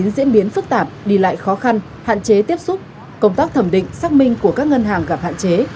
diễn biến phức tạp đi lại khó khăn hạn chế tiếp xúc công tác thẩm định xác minh của các ngân hàng gặp hạn chế